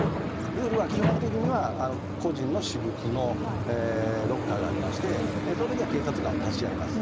ルールは基本的には個人の私物のロッカーがありましてその時は警察官が立ち会います。